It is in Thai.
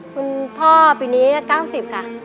คุณพ่อปีนี้๙๐ค่ะ